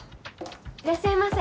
いらっしゃいませ。